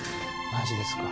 マジですか。